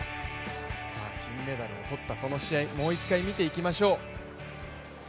金メダルを取ったその試合、もう一回見ていきましょう。